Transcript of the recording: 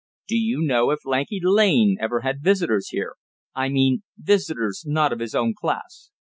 "Do you know if Lanky Lane ever had visitors here I mean visitors not of his own class?"